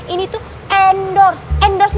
ini tuh endorse